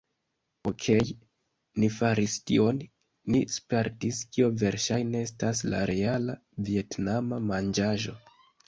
"Okej ni faris tion; ni spertis kio verŝajne estas la reala vjetnama manĝaĵo"